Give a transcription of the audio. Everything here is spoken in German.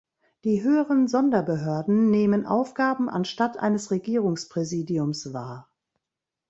Die höheren Sonderbehörden nehmen Aufgaben anstatt eines Regierungspräsidiums wahr.